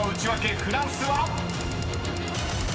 ［フランスは⁉］